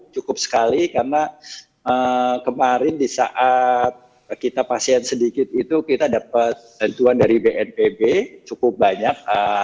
cukup sekali karena kemarin di saat kita pasien sedikit itu kita dapat tentuan dari bnpb cukup banyak